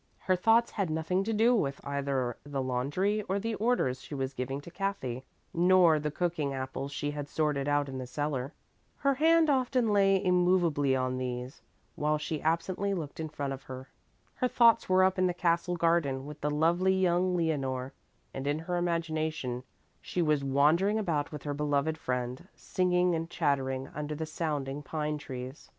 Her thoughts had nothing to do with either the laundry or the orders she was giving to Kathy, nor the cooking apples she had sorted out in the cellar. Her hand often lay immovably on these, while she absently looked in front of her. Her thoughts were up in the castle garden with the lovely young Leonore, and in her imagination she was wandering about with her beloved friend, singing and chattering under the sounding pine trees.